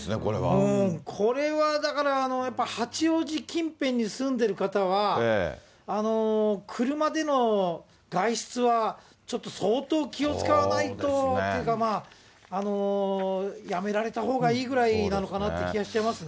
これはだから、やっぱり八王子近辺に住んでる方は、車での外出はちょっと相当気を遣わないとというか、やめられたほうがいいぐらいなのかなって気がしちゃいますね。